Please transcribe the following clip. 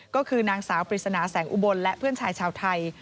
ก็คือนางสาวปริศนาแสงอุบลและเพื่อนชายชาวไทย